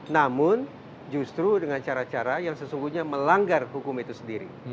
namun justru dengan cara cara yang sesungguhnya melanggar hukum itu sendiri